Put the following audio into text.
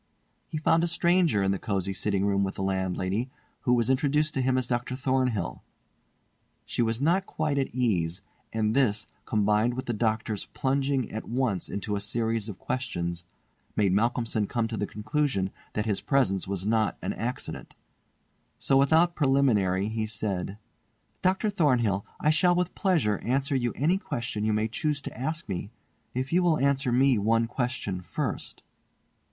He found a stranger in the cosy sitting room with the landlady, who was introduced to him as Dr. Thornhill. She was not quite at ease, and this, combined with the doctor's plunging at once into a series of questions, made Malcolmson come to the conclusion that his presence was not an accident, so without preliminary he said: "Dr. Thornhill, I shall with pleasure answer you any question you may choose to ask me if you will answer me one question first."